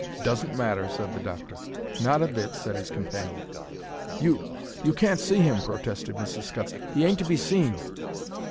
"Doesn't matter," said the doctor. "Not a bit," said his companion. "You—you can't see him," protested Mrs. Scutts. "He ain't to be seen."